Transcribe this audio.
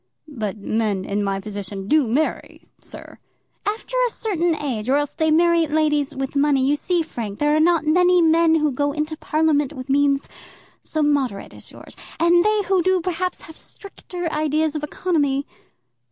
"But men in my position do marry, sir." "After a certain age, or else they marry ladies with money. You see, Frank, there are not many men who go into Parliament with means so moderate as yours; and they who do perhaps have stricter ideas of economy."